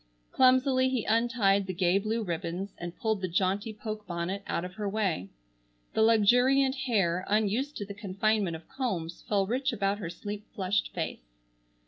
Clumsily he untied the gay blue ribbons and pulled the jaunty poke bonnet out of her way. The luxuriant hair, unused to the confinement of combs, fell rich about her sleep flushed face.